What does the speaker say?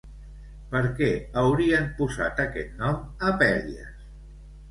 Per què haurien posat aquest nom a Pèlias?